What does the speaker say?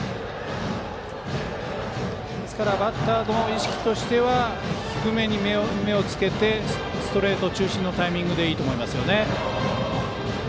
ですからバッターの意識としては低めに目をつけてストレート中心のタイミングでいいと思います。